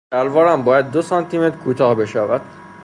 شلوارم باید دو سانتیمتر کوتاه بشود.